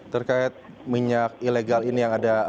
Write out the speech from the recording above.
terkait minyak ilegal ini yang ada